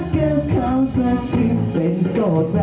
หยุดมีท่าหยุดมีท่า